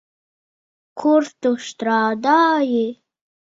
Kur tu strādāji?